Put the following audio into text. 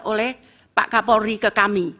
oleh pak kapolri ke kami